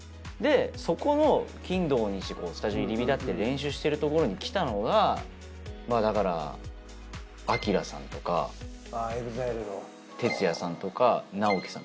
そこの金土日スタジオに入り浸って練習してるところに来たのがだからＡＫＩＲＡさんとかＴＥＴＳＵＹＡさんとか直己さん。